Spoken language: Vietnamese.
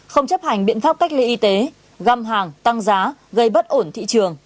không chấp hành biện pháp cách ly y tế găm hàng tăng giá gây bất ổn thị trường